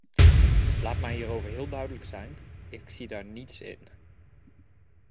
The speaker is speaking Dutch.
Laat mij hierover heel duidelijk zijn: ik zie daar niets in.